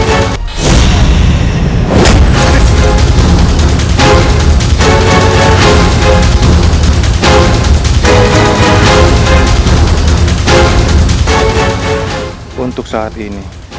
hai untuk saat ini